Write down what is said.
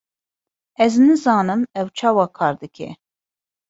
Ez nizanim ew çawa kar dike.